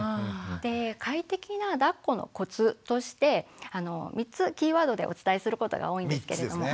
で快適なだっこのコツとして３つキーワードでお伝えすることが多いんですけれども。